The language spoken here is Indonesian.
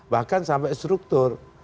bahkan sampai struktur